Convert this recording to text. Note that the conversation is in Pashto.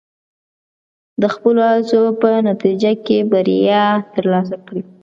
د خپلو هڅو په نتیجه کې بریا ترلاسه کړئ.